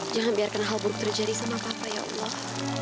jangan biarkan hal buruk terjadi sama kata ya allah